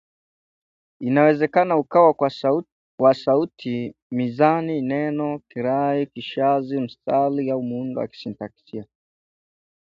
Inawezekana ukawa wa sauti, mizani, neno, kirai, kishazi, msitari au muundo wa kisintaksia